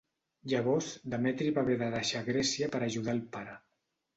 Llavors Demetri va haver de deixar Grècia per ajudar al pare.